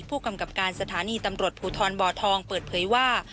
ผู้กำกับการสถานีตำรวจภูทรบ่อทองเปิดเผยว่า